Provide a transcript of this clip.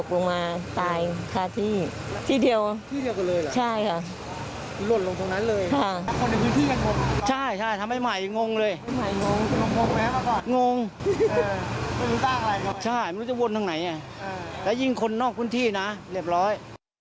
แล้วยิ่งคนนอกพื้นที่นะเรียบร้อย